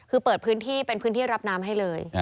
คือเปิดพื้นที่เป็นพื้นที่รับน้ำให้เลย